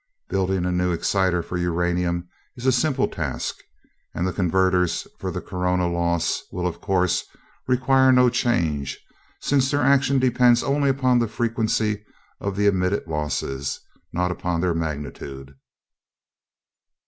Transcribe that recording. Building a new exciter for uranium is a simple task, and the converters for the corona loss will, of course, require no change, since their action depends only upon the frequency of the emitted losses, not upon their magnitude."